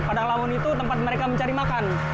padang lamun itu tempat mereka mencari makan